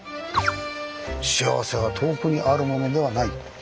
「幸せは遠くにあるものではない」。